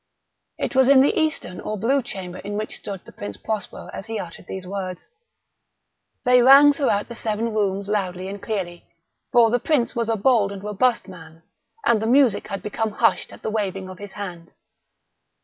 It was in the eastern or blue chamber in which stood the Prince Prospero as he uttered these words. They rang throughout the seven rooms loudly and clearly—for the prince was a bold and robust man, and the music had become hushed at the waving of his hand.